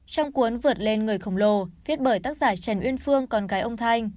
trong cuốn vượt lên người khổng lồ viết bởi tác giả trần uyên phương còn gái ông thanh